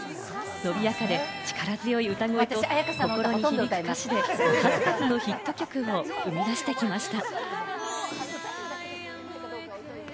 伸びやかで力強い歌声と、心に響く歌詞で数々のヒット曲を生み出してきました。